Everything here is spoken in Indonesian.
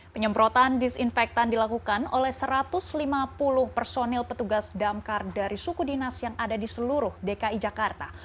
penyemprotan disinfektan dilakukan oleh satu ratus lima puluh personil petugas damkar dari suku dinas yang ada di seluruh dki jakarta